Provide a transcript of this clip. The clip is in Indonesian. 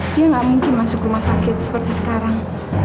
dia nggak mungkin masuk rumah sakit seperti sekarang